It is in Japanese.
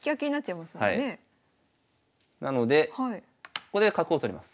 なのでここで角を取ります。